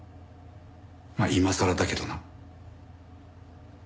まあ今さらだけどな。